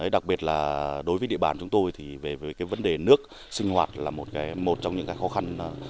đặc biệt là đối với địa bàn chúng tôi thì về cái vấn đề nước sinh hoạt là một trong những khó khăn